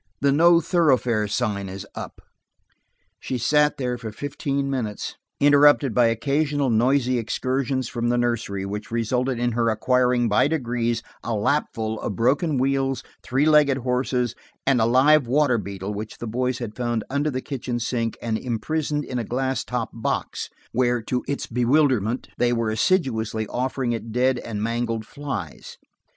The 'no thoroughfare' sign is up." She sat there for fifteen minutes, interrupted by occasional noisy excursions from the nursery, which resulted in her acquiring by degrees a lapful of broken wheels, three legged horses and a live water beetle which the boys had found under the kitchen sink and imprisoned in a glass topped box, where, to its bewilderment, they were assiduously offering it dead and mangled flies.